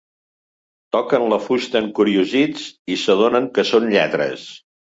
Toquen la fusta encuriosits i s'adonen que són lletres.